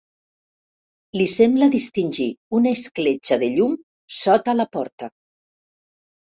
Li sembla distingir una escletxa de llum sota la porta.